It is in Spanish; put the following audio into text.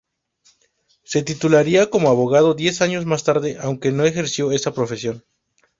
Se titularía como abogado diez años más tarde, aunque no ejerció esa profesión.